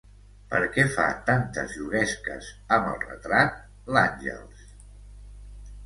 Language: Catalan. Per què fa tantes juguesques amb el retrat, l'Àngels?